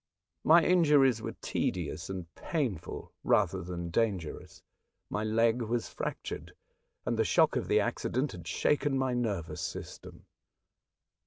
My injuries were tedious and painful rather than dangerous ; my leg was fractured, and the shock of the acci dent had shaken my nervous system.